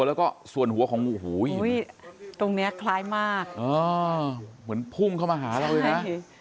แล้วก็ส่วนหัวของงูหูตรงนี้คล้ายมากเหมือนพุ่งเข้ามาหาเราเลยนะ